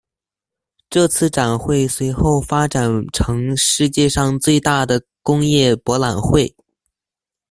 这次展会随后发展成世界上最大的工业博览会。